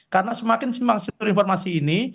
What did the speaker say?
karena semakin simpang simpang informasi ini